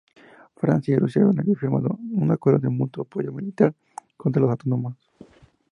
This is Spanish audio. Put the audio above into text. Francia y Rusia habían firmado un acuerdo de mutuo apoyo militar contra los otomanos.